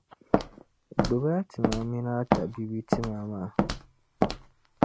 Gbib’ a tima min’ a tabibi tima maa.